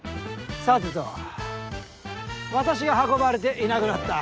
さてと私が運ばれていなくなった。